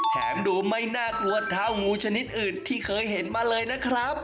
แถมดูไม่น่ากลัวเท่างูชนิดอื่นที่เคยเห็นมาเลยนะครับ